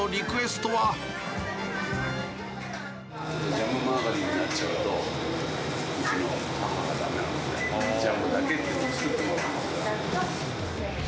ジャムマーガリンになっちゃうと、うちの母がだめなので、ジャムだけのを作ってもらってる。